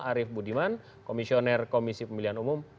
arief budiman komisioner komisi pemilihan umum